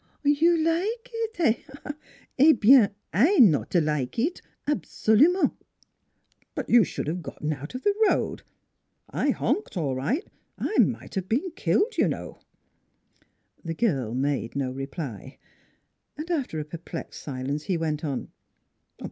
"You like eet eh? Eh bien I not like eet, absolument! "" But you should have gotten out of the road. I honked all right. I might have been killed, you know." The girl made no reply. And after a perplexed silence he went on.